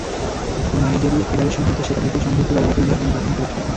Nigeria federation হয়তো সেটা দেখেই সংক্ষিপ্ত তালিকার জন্য তাঁকে নির্বাচন করেছে।